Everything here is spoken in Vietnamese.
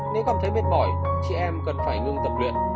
nếu cảm thấy mệt mỏi chị em cần phải ngưng tập luyện